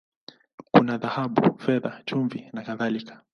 Kuna dhahabu, fedha, chumvi, na kadhalika.